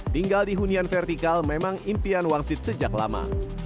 tinggal di hunian vertikal memang impian wangsit sejak lama